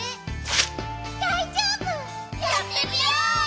やってみよう！